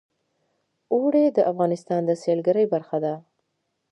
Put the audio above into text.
اوړي د افغانستان د سیلګرۍ برخه ده.